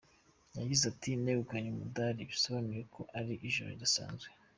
Yagize ati “Negukanye umudali bisobanuye ko ari ijoro ridasanzwe.